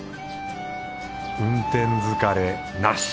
運転疲れなし。